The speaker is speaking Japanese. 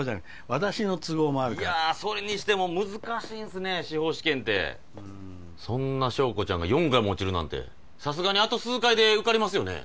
私の都合もあるからいやそれにしても難しいんすね司法試験ってそんな硝子ちゃんが４回も落ちるなんてさすがにあと数回で受かりますよね